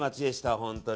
本当に。